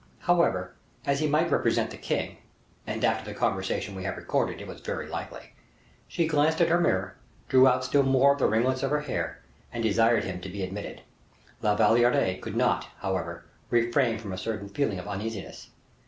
However, as he might represent the king and, after the conversation we have recorded, it was very likely she glanced at her mirror, drew out still more the ringlets of her hair, and desired him to be admitted. La Valliere could not, however, refrain from a certain feeling of uneasiness.